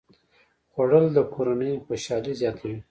خوړل د کورنۍ خوشالي زیاته وي